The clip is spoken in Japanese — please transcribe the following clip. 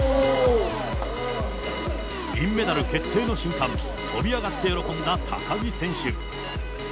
銀メダル決定の瞬間、跳び上がって喜んだ高木選手。